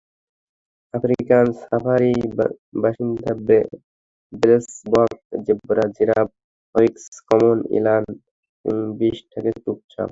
African সাফারির বাসিন্দা blesbok, zebra giraffe, oryx, common eland, wildebeest থাকে চুপচাপ।